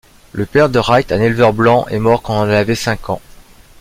Le père de Wright, un éleveur blanc, est mort quand elle avait cinq ans.